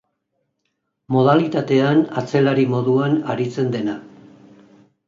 Modalitatean atzelari moduan aritzen dena.